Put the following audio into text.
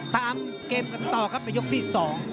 ตามเกมกันต่อครับในยกที่๒